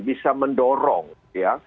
bisa mendorong ya